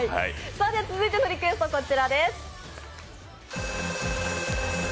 続いてのリクエストこちらです。